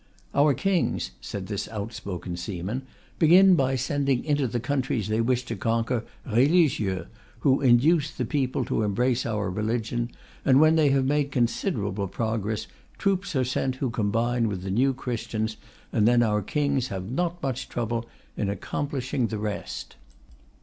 "Our Kings," said this outspoken seaman, "begin by sending into the countries they wish to conquer religieux who induce the people to embrace our religion, and when they have made considerable progress, troops are sent who combine with the new Christians, and then our Kings have not much trouble in accomplishing the rest."